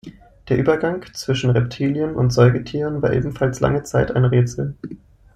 Der Übergang zwischen „Reptilien“ und Säugetieren war ebenfalls lange Zeit ein Rätsel.